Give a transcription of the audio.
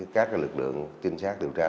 các lực lượng trinh sát điều tra